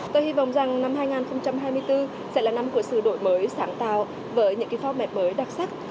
tôi hy vọng rằng năm hai nghìn hai mươi bốn sẽ là năm của sự đổi mới sáng tạo với những phó mẹ mới đặc sắc